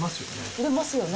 入れますよね。